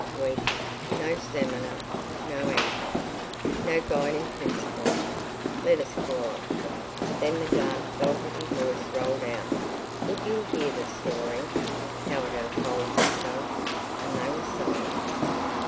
weak. No stamina. No anchor. No guiding principle, let us call it." But then the dark velvety voice rolled out: Would ye hear the story How it unfolds itself. .. and they were silent.